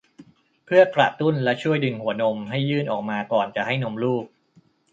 เพื่อกระตุ้นและช่วยดึงหัวนมให้ยื่นออกมาก่อนจะให้นมลูก